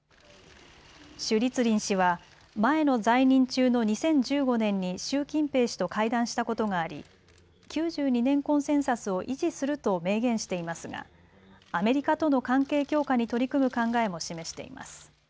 朱立倫氏は前の在任中の２０１５年に習近平氏と会談したことがあり９２年コンセンサスを維持すると明言していますがアメリカとの関係強化に取り組む考えも示しています。